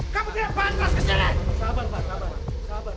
kamu tidak pantas kesini